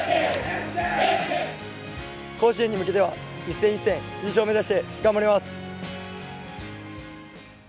甲子園に向けては一戦一戦優勝目指して頑張ります。